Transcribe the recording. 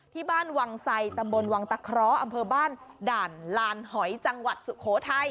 ที่บ้านวังไสตำบลวังตะเคราะห์อำเภอบ้านด่านลานหอยจังหวัดสุโขทัย